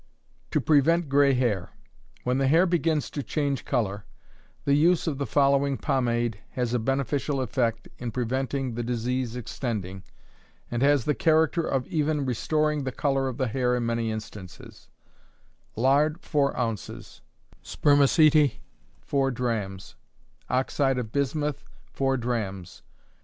To Prevent Gray Hair. When the hair begins to change color, the use of the following pomade has a beneficial effect in preventing the disease extending, and has the character of even restoring the color of the hair in many instances: Lard, 4 ounces: spermaceti, 4 drachms: oxide of bismuth, 4 drachms.